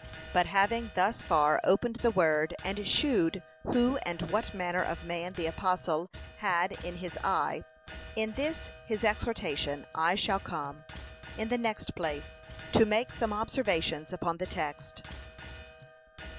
But having thus far opened the word, and shewed who and what manner of man the apostle had in his eye, in this his exhortation, I shall come, in the next place, to make some observations upon the text.